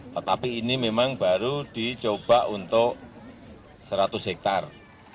tetapi ini memang baru dicoba untuk seratus hektare